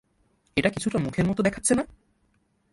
এটা কিছুটা মুখের মতো দেখাচ্ছে না?